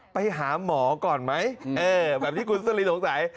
ไปหาหมอก่อนไหมแบบที่คุณสลินสงสัย